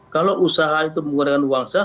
kalau usaha itu menggunakan uang sah